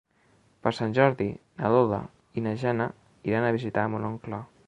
Per Sant Jordi na Lola i na Jana iran a visitar mon oncle.